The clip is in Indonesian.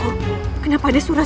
tuhan yang terbaik